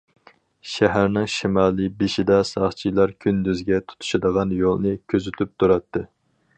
شەھەرنىڭ شىمالىي بېشىدا ساقچىلار كۈندۈزگە تۇتىشىدىغان يولنى كۆزىتىپ تۇراتتى.